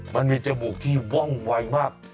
มันมีจมูกที่ว่องวัยมาก